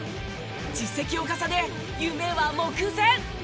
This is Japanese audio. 実績を重ね夢は目前！